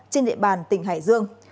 trên địa bàn tỉnh hải dương